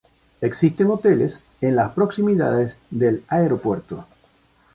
Existen hoteles en las proximidades del aeropuerto.